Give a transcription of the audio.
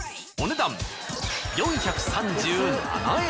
お値段４３７円！